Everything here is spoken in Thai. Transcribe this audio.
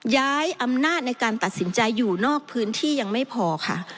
ย้ายอำนาจในการตัดสินใจอยู่นอกพื้นที่ยังไม่พอค่ะ